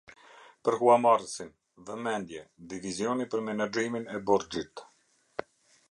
Për Huamarrësin, Vëmendje: Divizioni për Menaxhimin e Borxhit.